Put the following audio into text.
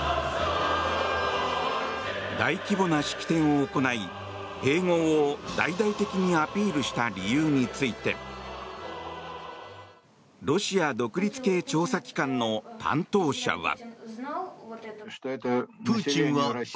大規模な式典を行い併合を大々的にアピールした理由についてロシア独立系調査機関の担当者は。